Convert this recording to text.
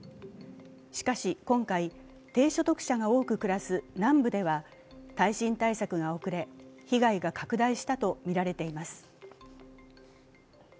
しかし今回、低所得者が多く暮らす南部では耐震対策が遅れ、被害が拡大したとみられています。